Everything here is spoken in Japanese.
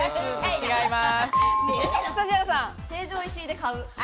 違います。